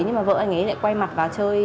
nhưng mà vợ anh ấy lại quay mặt vào chơi